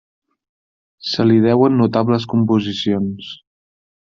Se l'hi deuen notables composicions.